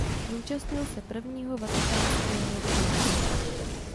Zúčastnil se Prvního vatikánského koncilu.